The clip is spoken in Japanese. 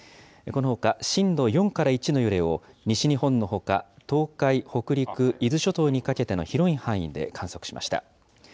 このほか、震度４から１の揺れを、西日本のほか、東海、北陸、伊豆諸島にかけての広い範囲で観測しました。